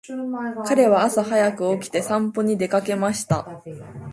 彼は朝早く起きて散歩に出かけました。